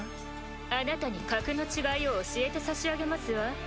あなたに格の違いを教えてさしあげますわ。